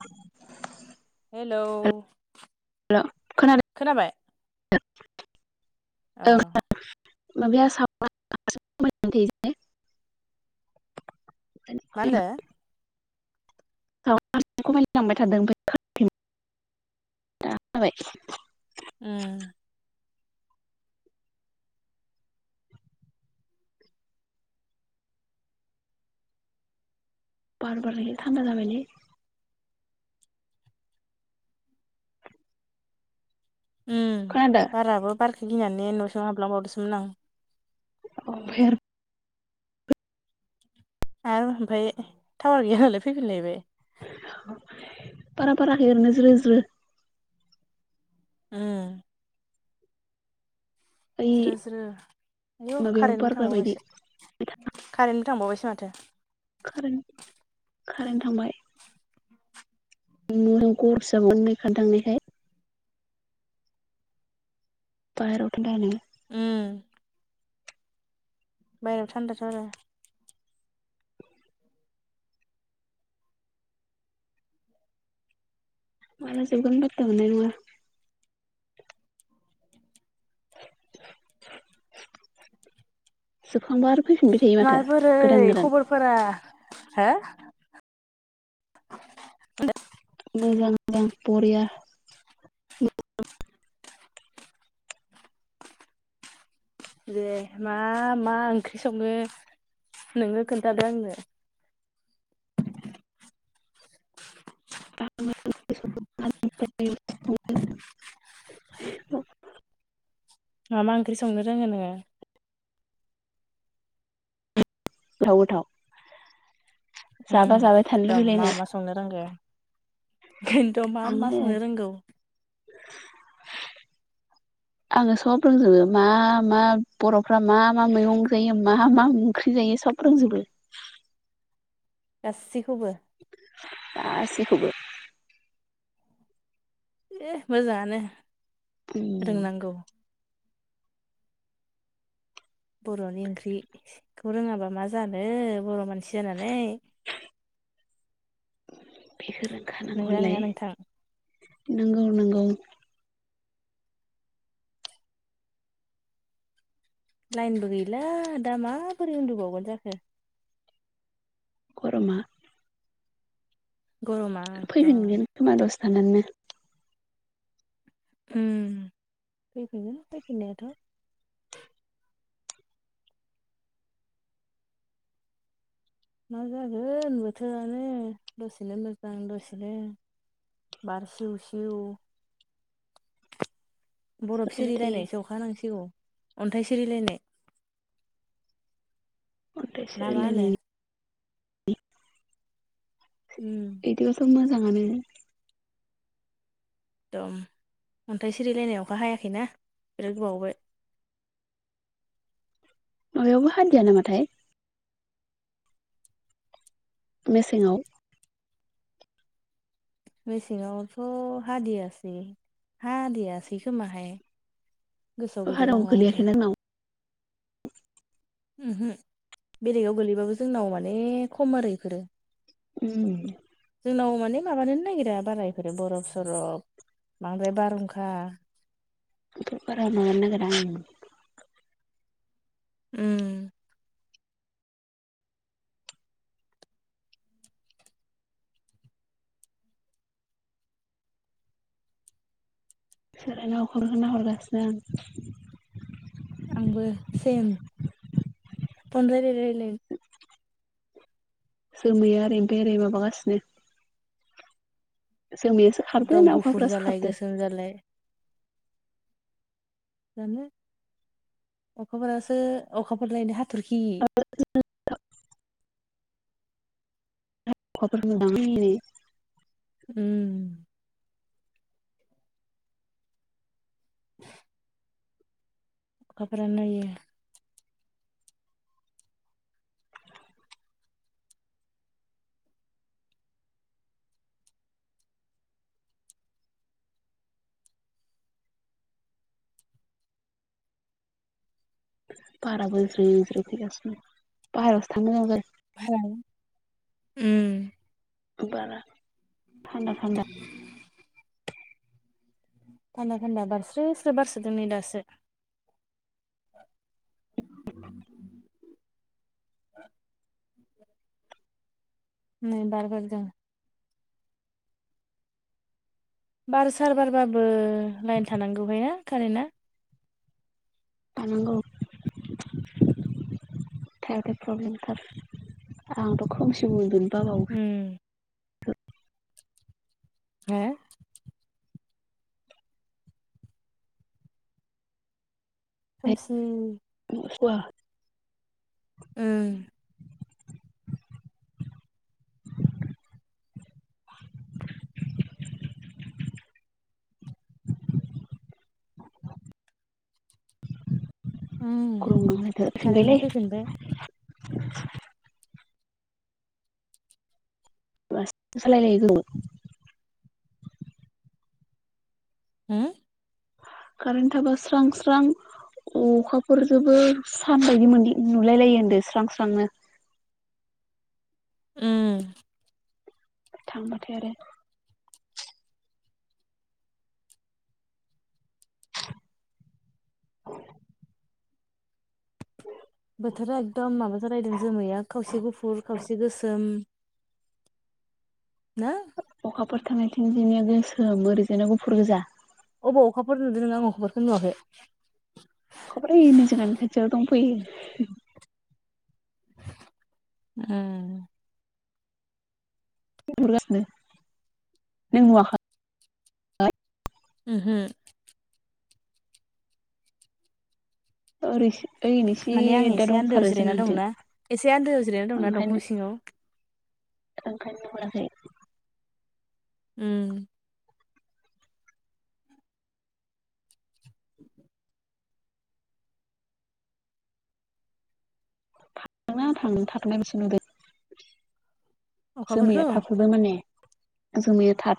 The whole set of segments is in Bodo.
औ। हेलौ खोनाबाय? द ओ‌ [inaudible] मा होनदो [unintelligible] खमायलांबाय थादों [unintelligible] खोनाबाय? ओ बार बारनायखाय थान्दा जाबायले उम खोनादों बाराबो बारखौ गिनानै न'सिंआव हाबलांबावदोसोमोन आं [unintelligible] आरो ओमफफाय टावार गैयाबालाय फैफिनलायबाय पारा फाराखरनो ज्रो ज्रो [unintelligible] ओइ ज्रो ज्रो आयौ माबायाव कारेेनटबो बारग्रा बायदि थांबावोसो थांबावबायसो माथो [unintelligible] कारेन्ट थांबाय खारेन‌ [unintelligible] थांनायखाय बाहेराव [unintelligible] उम बाहेराव थान्दाथ' आरो माला जोबगोन फादथा मोन्नाय नङा जोबखांबा आरो फैफिनबाय थायो माथो माबोरै गोदान गोदान खबरफोरा हो मोजां मोजां बरिया [unintelligible] दे मा मा ओंख्रि सङो नोङो खोन्थादो आंनो [unintelligible] [unintelligible] मा मा ओंख्रि संनो रोङो नोङो थाव गोथाव उम जाबा जाबाय थानो एकदम लुगै लायनाय खिन्थ' मा मा संनो रोंगौ [inaudible] आङो सब रोंजोबो मा मा बर'फ्रा मा मा मैगं जायो मा मा ओंख्रि जायो सब रोंजोबो [unintelligible] गासि गासिखौबो मोजाङानो उम रोंनांगौ बर'नि ओंख्रिखौ रोङाबा मा जानो बर' मानसि जानानै बेफोर नंगौना नङा नोंथां नंगौ नंगौ लाइनबो गैला दा माबोरै उन्दुबावगोन जाखो गरमा गरमा एकदम फैफिनगोन [unintelligible] उम फैफिनगोन फैफिननायाथ' मा जागोन बोथोरानो दसेनो मोजां दसेनो बारसिउ सिउ बरफ गोलैबाय थायो सिरिलायनायसो अखा नांसिगौ अन्थाइ सिरिलायनाय अनथाय ना मा होनो सोरिलायनाय उम एदिबोथ' मोजांआानो एकदम अन्थाइ सिरिलायनायावखा हायाखैना बिराद गोबावबो [inaudible] नाबे अब हाद द ना माथाय मेसेंाव मेसेङावथ' हादियासै हादियासै खोमाहाय गोसोआव हाराव गैलायलांला माथो गोलैयाखैना नाव उमहो बेलेगाव गोलैबाबो जोंनाव माने खम आरो इफोरो उम उनाव माने माबानो नागिरा बारा बेफोरो बरफ सरफ बांद्राय बारहुंखा इफोर बारा माबानो‌ नागिरा उम उम सोरानाव अखाफोरखोनो नाहरगासिनो आं आंबो सेम फन रायलाय रायलायनो जोमैया ओरै बेराय माबागासिनो जोमैयासो खारदो एकदम ना गुफुर अखाफोरासो जालाय खारदो गोसोम जालाय जानो अखाफोरासो अखाफोर लायनो हा- थरखि अखाफोरखो नुदां ओइनै उम [inaudible] अखाफोरानो इयो बाराबो ज्रि ज्रि फैगासिनो बाहेरावसो थांनो मोजां जादो [unintelligible] उम बारा थान्दा थान्दा थान्दा थान्दा बारस्रोस्रो बारसोदों नै दासो [inaudible] नै बार बारदों बार सार बारबाबो लाइन थानांगौहाय ना कारेन्टआ थानांगौ थायाथाय प्रब्लेमथार आंथ' खोमसिबो बाव उम हो खोमसि वा ओ [unintelligible] उम खुलुमना होथो कारेन्टआ सानबायलै फैफिनबाय वास सालायलायगोमो हो कारेन्ट थाबा स्रां स्रां अखाफोरजोबो सान बायदि मोनलि नुलायलायो होनदो स्रां स्रांनो ओम थांबाथाय आरो बोथोरा एखदम माबा जालायदों जोमैया खावसे गुफुर खावसे गोसोम ना अखाफोर थानायथिंजिनिया गोसोम ओरैजायना गुफुर गोजा अबाव अखाफोर नुदों नों आं अखाफोरखोनो नुवाखै अखाफोर हैनै जोंहानि खाथियाव दंफैयो उम गुफुर गासिनो नों नुवाख उमहो ओरैसो माने आं एसे आन्दोआव जिरायना दंना एसे आन्दोआव जिरायना दंना ओंखायनो दंफां सिङाव [inaudible] ओंखायनो मोनाखै। उम थांना थाङो थाथ'नाय बोसो नुदों जोमैया अखाफोरखौ थाथ'दों माने जोमैया थाथ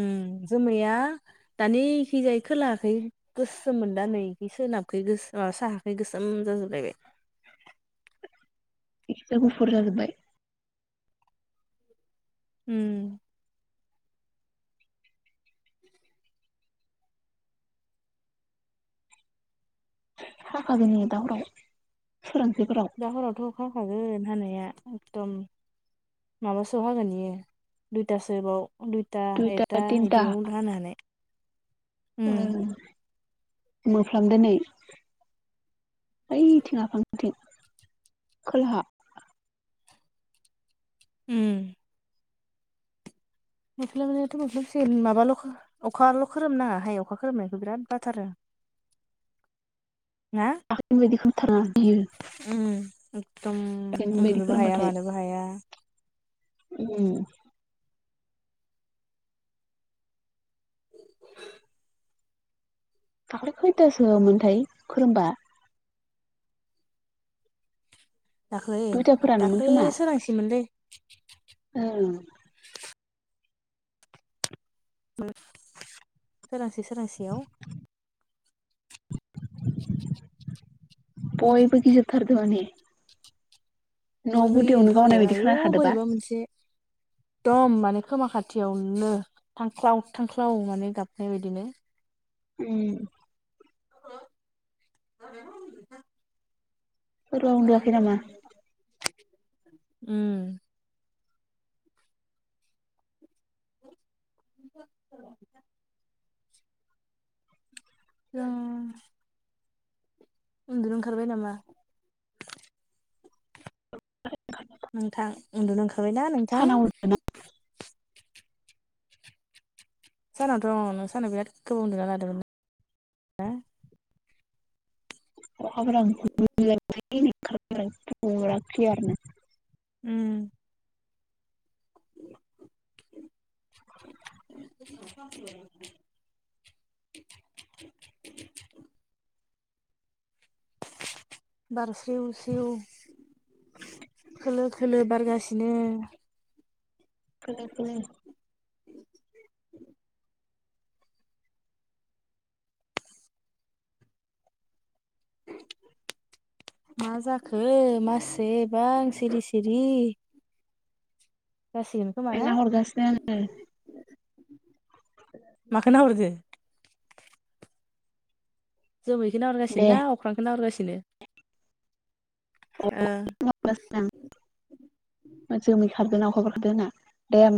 उम जोमैया दानि खिजायै खोलायाखै गोसोमोन दा नै सोनाबखै गोसो माबा साहाखै गोसोम जाजोबलायबाय। [inaudible] एसे गुफुर जाजोब्बाय उम थाखाजोंनो दावराव फोरा दा हरावथ' अखा हाखागोन हानाया एकदम माबासोआव हागोन बियो दुइथासो बाव दुइथा एथा बिदियाव हानो हानाय ओम मोफ्लामदों नै ओइथिं आफांथिं खोलाहा उम मोफ्लाबनायाथ' मोफ्लबसिगोन माबाल' अखाल' खोरोमनाङाहाय अखा खोरोमनायखौ बिराद बाथारो। [inaudible] दाखालिनि बादि खोरोमथारनाङा गियो। उम एकदम उन्दुनोबो हाया खोरोमबाथाय मानोबो हाया। उम दाख्लि खैयथासोनथाय खोरोमबा? दाख्लै दुइथाफोरानोमोन दाख्लै खोमा सोरांसैमोनलै ओं सोरांसे सोरांसेयाव [inaudible] बयबो गिजोबथारदोंआनो बयबो गिगोनथ' आरो बायदि आयु खोनाखादोबा बोरैबा मोनसे एकदम माने खोमा खाथियावनो थांख्लाव थांख्लाव माने गाबनाय बादिनो उम [unintelligible] सोरबा उन्दु'वाखै नामा? उम [unintelligible] जों उन्दुनो ओंखारबाय नामा? नोंथां उन्दुनो ओंखारबायना नोंथां? साना उन्दुदों सानाव दं सानाव बेराद गोबाव उन्दुना लादोंमोन ना [unintelligible] उम [inaudible] [inaudible] [inaudible] बार सिउ सिउ खोलो खोलो बारगासिनो खोलो खोलो [inaudible] मा जाखो मासेबां सिरि सिरि जासिगोन खोमा ना हरगासिनो आङो माखौ नाहरदो जोमैखौ दे नाहरगासिनो ना अख्रांखौनो नाहरगासिनो ओह होमबा खारदोना अखाबफोर खारदो होना दे ओमबा